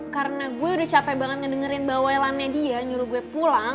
karena gue udah capek banget ngedengerin bawailannya dia nyuruh gue pulang